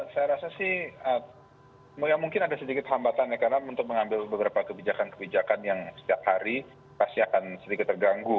saya rasa sih mungkin ada sedikit hambatan ya karena untuk mengambil beberapa kebijakan kebijakan yang setiap hari pasti akan sedikit terganggu